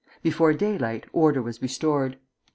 Before daylight, order was restored.